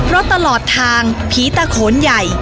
ตลอดทางผีตะโขนใหญ่